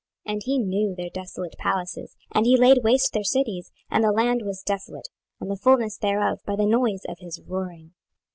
26:019:007 And he knew their desolate palaces, and he laid waste their cities; and the land was desolate, and the fulness thereof, by the noise of his roaring.